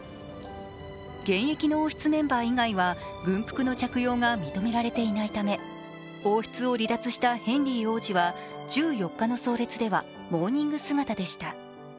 現役の王室メンバー以外は軍服の着用が認められていないため王室を離脱したヘンリー王子は１４日の葬列ではモーニング姿でした。